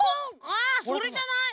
あそれじゃない？